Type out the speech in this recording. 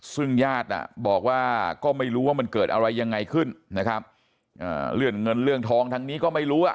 ซึ่งญาติน่ะบอกว่าก็ไม่รู้ว่ามันเกิดอะไรยังไงขึ้นนะครับอ่าเรื่องเงินเรื่องทองทางนี้ก็ไม่รู้อ่ะ